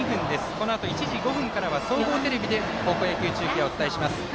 このあと１時５分からは総合テレビで高校野球中継をお伝えします。